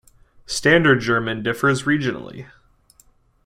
Standard German differs regionally.